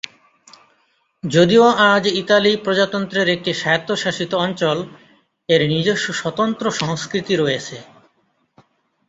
যদিও আজ ইতালি প্রজাতন্ত্রের একটি স্বায়ত্তশাসিত অঞ্চল, এর নিজস্ব স্বতন্ত্র সংস্কৃতি রয়েছে।